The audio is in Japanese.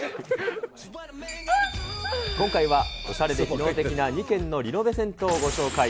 今回はおしゃれで機能的な２軒のリノベ銭湯をご紹介。